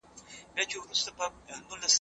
زه کولای سم کتابونه وليکم